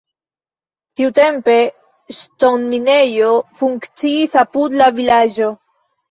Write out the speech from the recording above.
Tiutempe ŝtonminejo funkciis apud la vilaĝo.